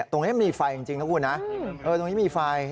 ตรงนี้มีไฟจริงนะคุณนะตรงนี้มีไฟ